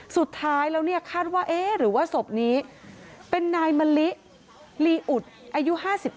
สุดท้ายแล้วเนี่ยคาดว่าเอ๊ะหรือว่าศพนี้เป็นนายมะลิลีอุดอายุ๕๙